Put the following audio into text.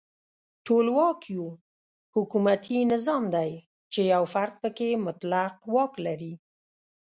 ټولواک یو حکومتي نظام دی چې یو فرد پکې مطلق واک لري.